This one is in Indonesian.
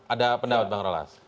ada pendapat bang rolas